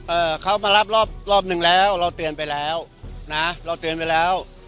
เอ่อเขามารับรอบรอบหนึ่งแล้วเราเตือนไปแล้วนะเราเตือนไปแล้ว